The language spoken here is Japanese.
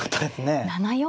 ７四